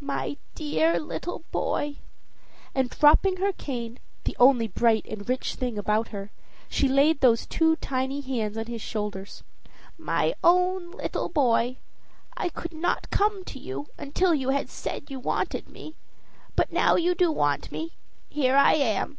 "My dear little boy," and dropping her cane, the only bright and rich thing about her, she laid those two tiny hands on his shoulders, "my own little boy, I could not come to you until you had said you wanted me; but now you do want me, here I am."